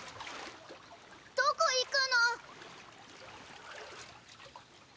どこいくの？